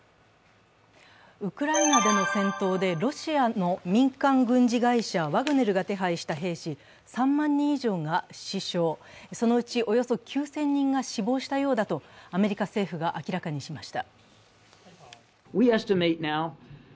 ウクライナでの戦闘でロシアの民間軍事会社ワグネルが手配した兵士３万人以上が死傷、そのうちおよそ９０００人が死亡したようだとアメリカ政府が明らかにしました。